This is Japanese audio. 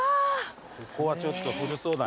ここはちょっと古そうだね。